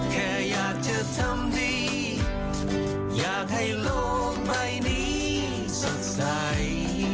แค่อยากจะทำดีอยากให้โลกใบนี้สดใส